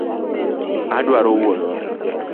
Adwaro wuon wa.